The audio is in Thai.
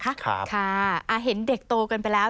ค่ะเห็นเด็กโตกันไปแล้ว